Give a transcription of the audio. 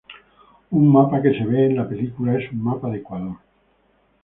Un mapa que se ve en la película es un mapa de Ecuador.